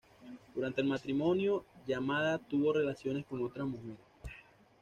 Durante el matrimonio, Yamada tuvo relaciones con otras mujeres.